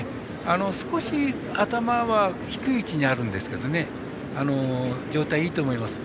少し頭は低い位置にあるんですが状態いいと思います。